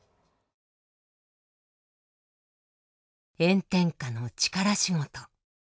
炎天下の力仕事。